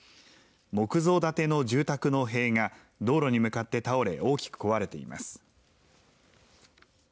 木造建ての住宅の塀が道路に向かって倒れ、大きく壊れています。